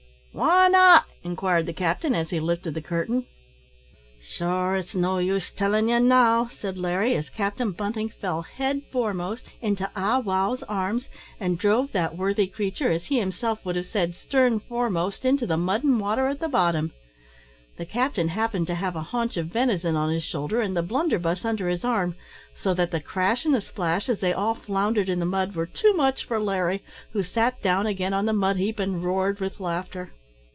"Why not?" inquired the captain, as he lifted the curtain. "Sure, it's no use tellin' ye now!" said Larry, as Captain Bunting fell head foremost into Ah wow's arms, and drove that worthy creature as he himself would have said "stern foremost" into the mud and water at the bottom. The captain happened to have a haunch of venison on his shoulder, and the blunderbuss under his arm, so that the crash and the splash, as they all floundered in the mud, were too much for Larry, who sat down again on the mud heap and roared with laughter.